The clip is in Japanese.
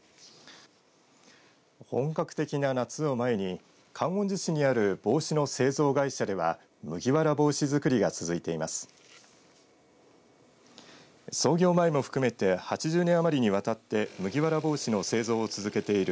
本格的な夏を前に観音寺市にある帽子の製造会社では麦わら帽子づくりが続いています。